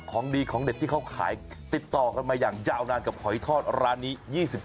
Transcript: ของดีของเด็ดที่เขาขายติดต่อกันมาอย่างยาวนานกับหอยทอดร้านนี้